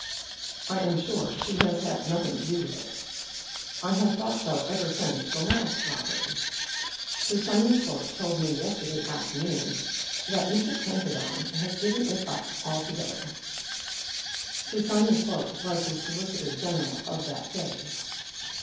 "I am sure she has had nothing to do with it. I have thought so ever since the last robbery. Sir Simon Slope told me yesterday afternoon that Mr. Camperdown has given it up altogether." Sir Simon Slope was the Solicitor General of that day.